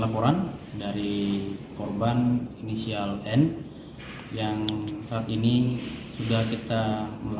pada pukul sembilan belas